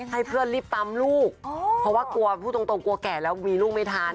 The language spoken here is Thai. ให้เพื่อนรีบปั๊มลูกเพราะว่ากลัวพูดตรงกลัวแก่แล้วมีลูกไม่ทัน